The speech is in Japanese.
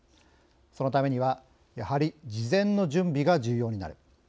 そのためにはやはり事前の準備が重要になる。